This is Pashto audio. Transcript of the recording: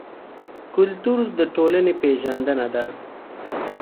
کلتور د ټولنې پېژندنه ده.